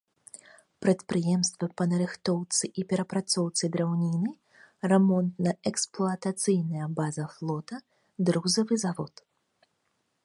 Прадпрыемствы па нарыхтоўцы і перапрацоўцы драўніны, рамонтна-эксплуатацыйная база флота, друзавы завод.